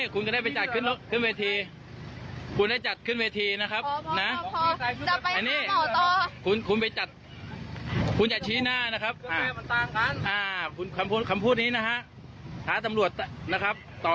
คุณผู้ชมไปดูคลิปนี้กันเลยค่ะ